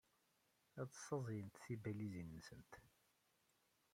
Ad ssaẓyent tibalizin-nsent.